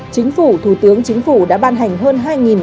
chính phủ thủ tướng chính phủ đã ban hành hơn hai văn bản